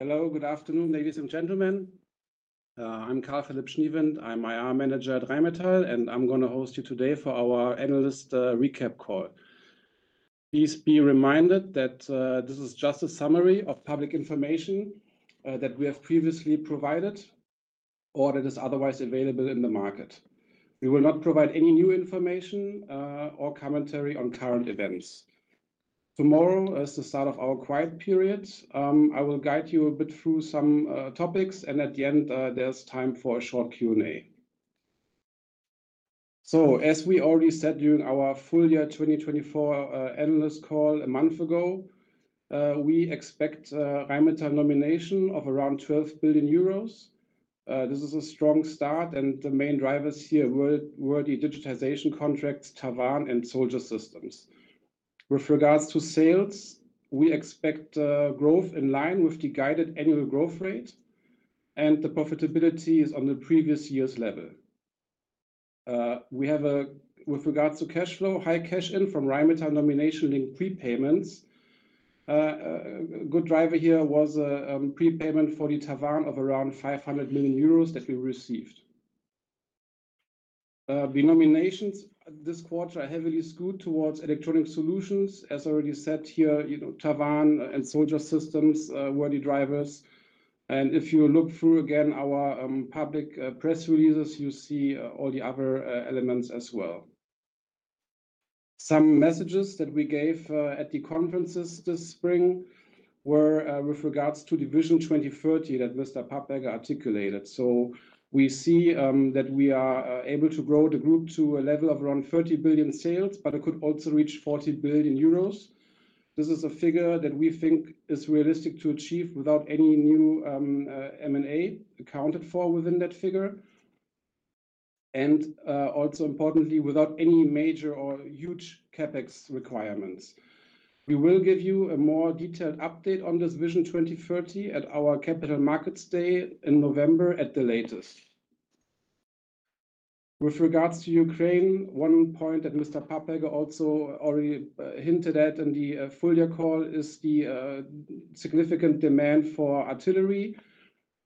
Hello, good afternoon, ladies and gentlemen. I'm Carl-Philip Schniewind. I'm IR Manager at Rheinmetall, and I'm going to host you today for our analyst recap call. Please be reminded that this is just a summary of public information that we have previously provided or that is otherwise available in the market. We will not provide any new information or commentary on current events. Tomorrow is the start of our quiet period. I will guide you a bit through some topics, and at the end, there's time for a short Q&A. As we already said during our full year 2024 analyst call a month ago, we expect Rheinmetall nomination of around 12 billion euros. This is a strong start, and the main drivers here were the digitization contracts, TaWAN, and soldier systems. With regards to sales, we expect growth in line with the guided annual growth rate, and the profitability is on the previous year's level. We have, with regards to cash flow, high cash in from Rheinmetall nomination linked prepayments. A good driver here was a prepayment for the TaWAN of around 500 million euros that we received. The nominations this quarter are heavily skewed towards electronic solutions. As already said here, you know, TaWAN and soldier systems were the drivers. If you look through again our public press releases, you see all the other elements as well. Some messages that we gave at the conferences this spring were with regards to the Vision 2030 that Mr. Papperger articulated. We see that we are able to grow the group to a level of around 30 billion, but it could also reach 40 billion euros. This is a figure that we think is realistic to achieve without any new M&A accounted for within that figure, and also importantly, without any major or huge CapEx requirements. We will give you a more detailed update on this Vision 2030 at our Capital Markets Day in November at the latest. With regards to Ukraine, one point that Mr. Papperger also already hinted at in the full year call is the significant demand for artillery.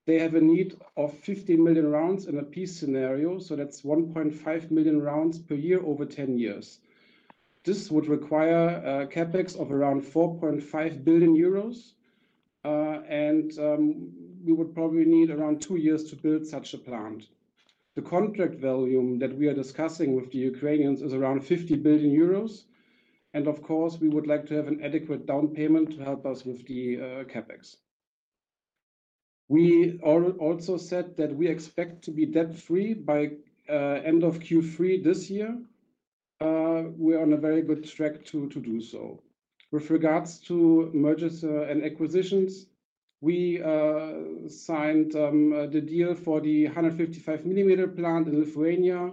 They have a need of 50 million in a peace scenario, so that's 1.5 million per year over 10 years. This would require CapEx of around 4.5 billion euros, and we would probably need around two years to build such a plant. The contract volume that we are discussing with the Ukrainians is around 50 billion euros, and of course, we would like to have an adequate down payment to help us with the CapEx. We also said that we expect to be debt-free by end of Q3 this year. We're on a very good track to do so. With regards to mergers and acquisitions, we signed the deal for the 155mm plant in Lithuania,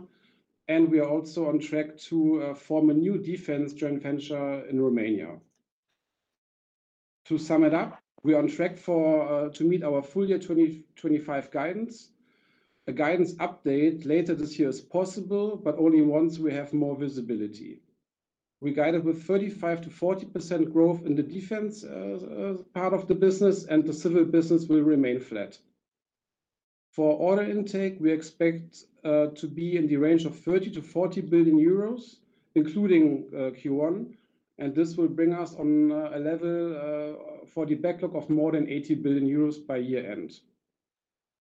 and we are also on track to form a new defense joint venture in Romania. To sum it up, we are on track to meet our full year 2025 guidance. A guidance update later this year is possible, but only once we have more visibility. We guided with 35%-40% growth in the defense part of the business, and the civil business will remain flat. For order intake, we expect to be in the range of 30 billion-40 billion euros, including Q1, and this will bring us on a level for the backlog of more than 80 billion euros by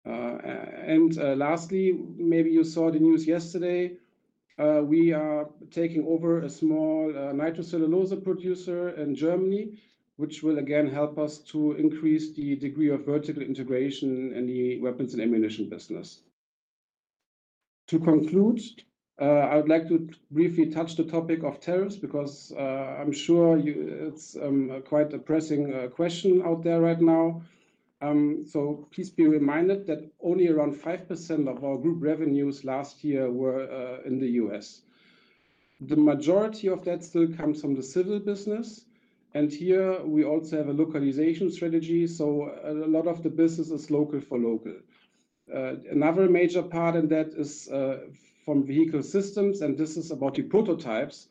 year-end. Lastly, maybe you saw the news yesterday, we are taking over a small nitrocellulose producer in Germany, which will again help us to increase the degree of vertical integration in the weapons and ammunition business. To conclude, I would like to briefly touch the topic of tariffs because I'm sure it's quite a pressing question out there right now. Please be reminded that only around 5% of our group revenues last year were in the U.S. The majority of that still comes from the civil business, and here we also have a localization strategy, so a lot of the business is local for local. Another major part in that is from vehicle systems, and this is about the prototypes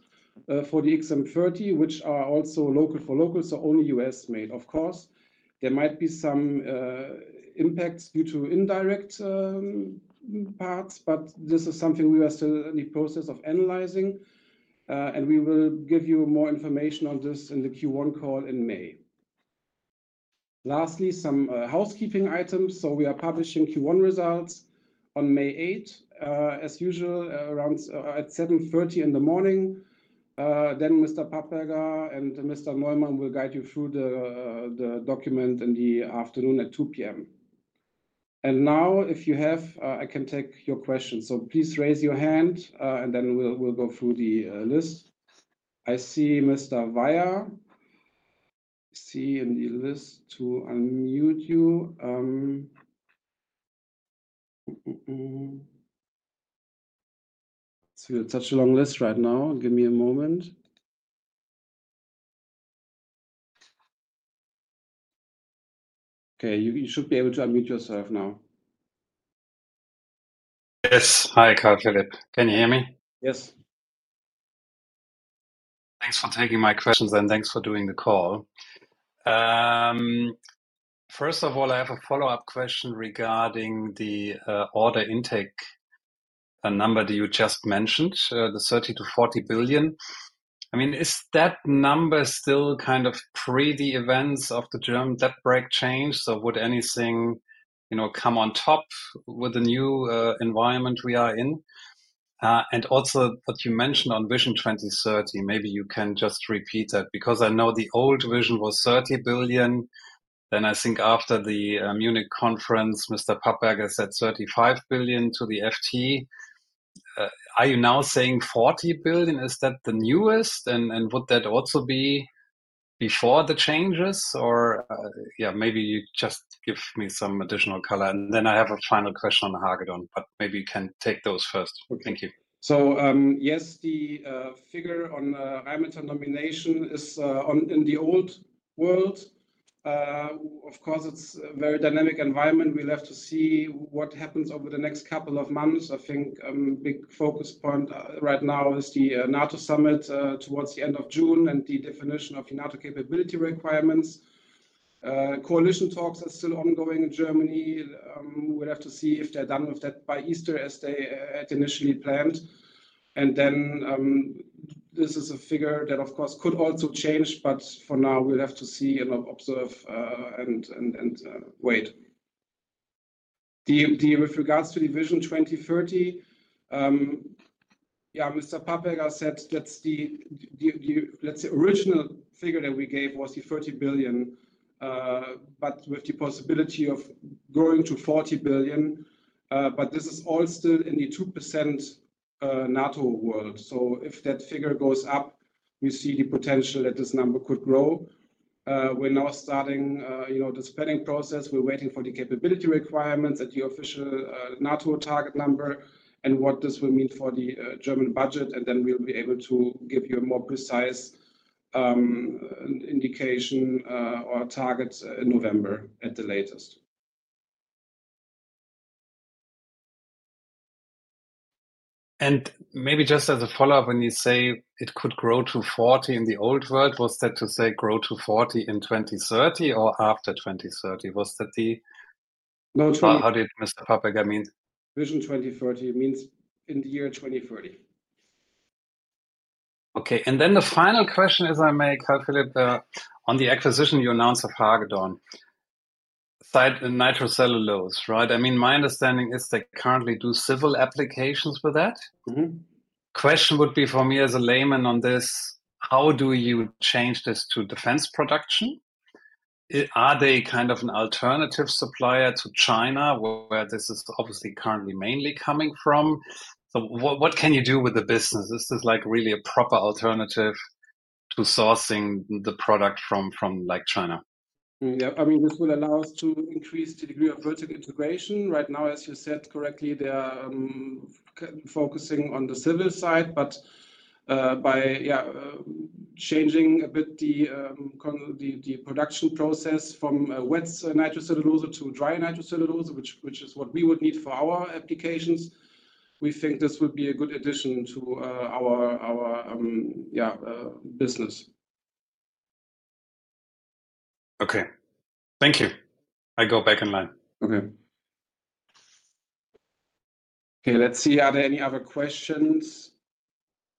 for the XM30, which are also local for local, so only U.S.-made. Of course, there might be some impacts due to indirect parts, but this is something we are still in the process of analyzing, and we will give you more information on this in the Q1 call in May. Lastly, some housekeeping items. We are publishing Q1 results on May 8, as usual, around 7:30 A.M. Mr. Papperger and Mr. Neumann will guide you through the document in the afternoon at 2:00 P.M. If you have questions, I can take them now. Please raise your hand, and we will go through the list. I see Mr. Weier. I see in the list to unmute you. It is such a long list right now. Give me a moment. You should be able to unmute yourself now. Yes. Hi, Carl-Philip. Can you hear me? Yes. Thanks for taking my questions, and thanks for doing the call. First of all, I have a follow-up question regarding the order intake number that you just mentioned, the 30 billion-40 billion. I mean, is that number still kind of pre the events of the German debt brake change? Would anything, you know, come on top with the new environment we are in? Also, what you mentioned on Vision 2030, maybe you can just repeat that because I know the old vision was 30 billion. I think after the Munich conference, Mr. Papperger said 35 billion to the FT. Are you now saying 40 billion? Is that the newest? Would that also be before the changes? Maybe you just give me some additional color. I have a final question on Hagedorn, but maybe you can take those first. Thank you. Yes, the figure on Rheinmetall nomination is in the old world. Of course, it's a very dynamic environment. We'll have to see what happens over the next couple of months. I think a big focus point right now is the NATO summit towards the end of June and the definition of NATO capability requirements. Coalition talks are still ongoing in Germany. We'll have to see if they're done with that by Easter as they had initially planned. This is a figure that, of course, could also change, but for now we'll have to see and observe and wait. With regards to the vision 2030, yeah, Mr. Papperger said that the original figure that we gave was the 30 billion, but with the possibility of growing to 40 billion. This is all still in the 2% NATO world. If that figure goes up, we see the potential that this number could grow. We're now starting, you know, the spending process. We're waiting for the capability requirements at the official NATO target number and what this will mean for the German budget. Then we'll be able to give you a more precise indication or target in November at the latest. Maybe just as a follow-up, when you say it could grow to 40 billion in the old world, was that to say grow to 40 billion in 2030 or after 2030? Was that the... No, sorry. How did Mr. Papperger mean? Vision 2030 means in the year 2030. Okay. The final question is, I may, Karl-Philipp, on the acquisition you announced of Hagedorn, nitrocellulose, right? I mean, my understanding is they currently do civil applications with that. The question would be for me as a layman on this, how do you change this to defense production? Are they kind of an alternative supplier to China where this is obviously currently mainly coming from? What can you do with the business? Is this like really a proper alternative to sourcing the product from like China? Yeah, I mean, this will allow us to increase the degree of vertical integration. Right now, as you said correctly, they are focusing on the civil side, but by, yeah, changing a bit the production process from wet nitrocellulose to dry nitrocellulose, which is what we would need for our applications, we think this would be a good addition to our, yeah, business. Okay. Thank you. I go back in line. Okay. Okay, let's see. Are there any other questions?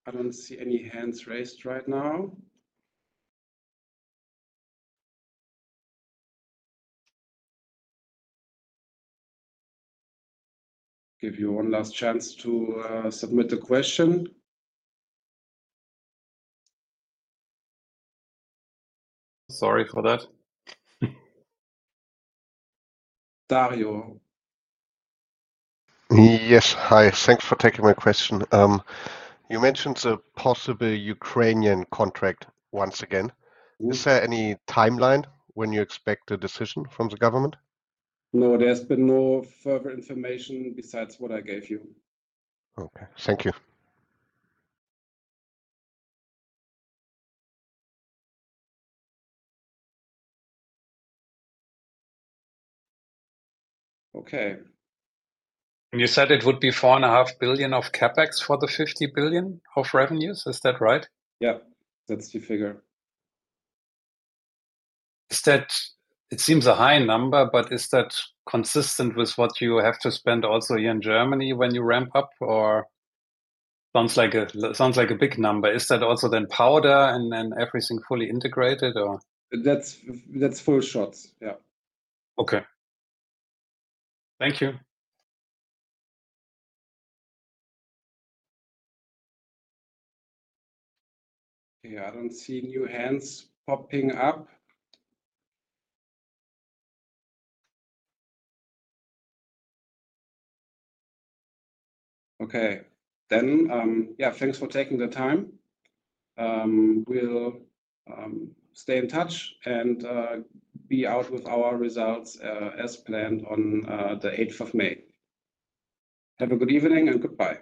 I don't see any hands raised right now. Give you one last chance to submit a question. Sorry for that. Dario. Yes. Hi. Thanks for taking my question. You mentioned a possible Ukrainian contract once again. Is there any timeline when you expect a decision from the government? No, there's been no further information besides what I gave you. Okay. Thank you. Okay. You said it would be 4.5 billion of CapEx for the 50 billion of revenues. Is that right? Yeah, that's the figure. It seems a high number, but is that consistent with what you have to spend also here in Germany when you ramp up, or sounds like a big number. Is that also then powder and everything fully integrated, or? That's full shots. Yeah. Okay. Thank you. Okay, I do not see new hands popping up. Okay. Then, yeah, thanks for taking the time. We will stay in touch and be out with our results as planned on the 8th of May. Have a good evening and goodbye.